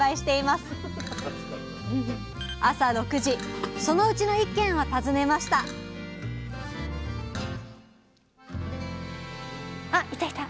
朝６時そのうちの１軒を訪ねましたあいたいた！